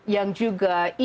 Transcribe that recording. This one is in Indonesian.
yang juga bisa